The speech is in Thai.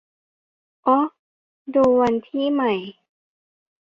โอ๊ะ ดูวันที่ใหม่